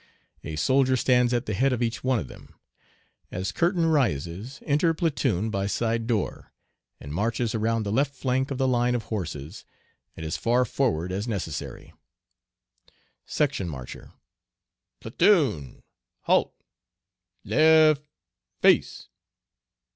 A soldier stands at the head of each one of them. As curtain rises enter platoon by side door, and marches around the left flank of the line of horses and as far forward as necessary. Section Marcher. Platoon, halt! left, face!